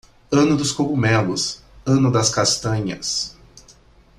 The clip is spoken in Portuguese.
Ano dos cogumelos, ano das castanhas.